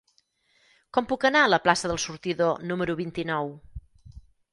Com puc anar a la plaça del Sortidor número vint-i-nou?